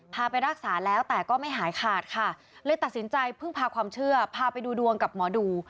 พาไปรักษาแล้วแต่ก็ไม่หายขาดค่ะเลยตัดสินใจพึ่งพาความเชื่อพาไปดูดวงกับหมอดู